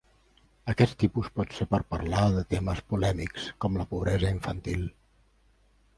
Aquest tipus pot ser per parlar de temes polèmics, com la pobresa infantil.